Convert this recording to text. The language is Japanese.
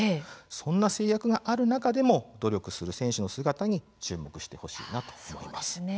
そんな制約がある中でも努力する選手の姿に注目してほしいなと思います。